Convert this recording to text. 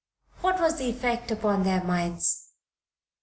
What was the effect upon their minds?"